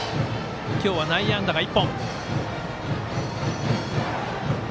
今日は内野安打が１本。